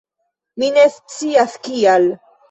Mi ne scias kial.